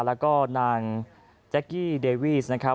แล้วก็นางแจ๊กกี้เดวีสนะครับ